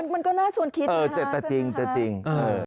มันก็น่าส่วนคิดนะครับสำคัญครับแต่จริง